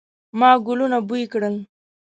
ما ګلونه بوی کړل